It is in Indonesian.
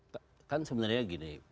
ya kan sebenarnya gini